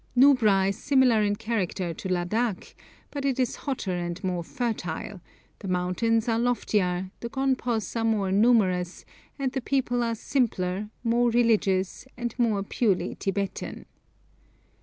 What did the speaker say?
Nubra is similar in character to Ladak, but it is hotter and more fertile, the mountains are loftier, the gonpos are more numerous, and the people are simpler, more religious, and more purely Tibetan.